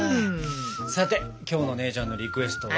さて今日の姉ちゃんのリクエストは？